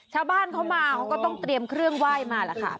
ชาวบ้านเขมาเขาต้องเตรียมเครื่องไหว้มาละครับ